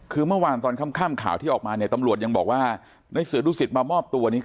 คือเมื่อวานตอนค่ำข่าวที่ออกมาเนี่ยตำรวจยังบอกว่าในเสือดุสิตมามอบตัวนี้